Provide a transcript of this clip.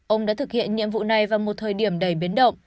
ông đã thực hiện nhiệm vụ này vào một thời điểm đầy biến động